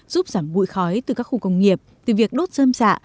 giúp giảm bụi khói từ các khu công nghiệp từ việc đốt dơm dạ